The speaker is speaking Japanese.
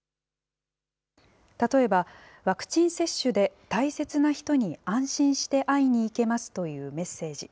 例えば、ワクチン接種で大切な人に安心して会いに行けますというメッセージ。